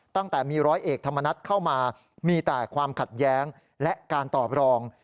ตั้งแต่มีร้อยเอกธรรมนัฐเข้ามามีแต่ความขัดแย้งและการตอบรอง